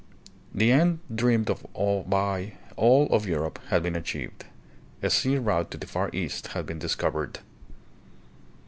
The end droamed of by all of Europe had been achieved. A sea route to the Far East had been discovered.